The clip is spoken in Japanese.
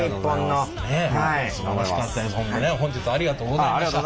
本日ありがとうございました。